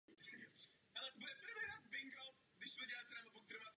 V základní části soutěže hrály týmy dvakrát každý s každým.